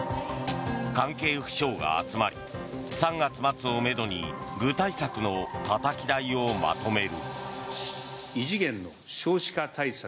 関係府省が集まり３月末をめどに具体策のたたき台をまとめる。